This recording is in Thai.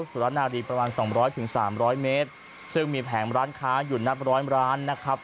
สุรนารีประมาณสองร้อยถึงสามร้อยเมตรซึ่งมีแผงร้านค้าอยู่นับร้อยร้านนะครับ